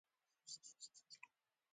🐸 چنګوښه